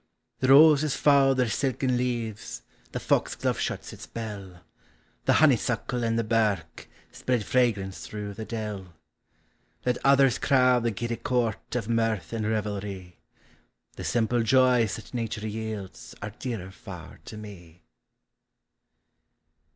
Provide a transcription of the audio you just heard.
The roses fauld their silken leaves, The foxglove shuts its bell ; The honeysuckle and the birk Spread fragrance through the dell. Let others crowd the giddy court Of mirth and revel rv, The simple joys that nature yields Are dearer far to me.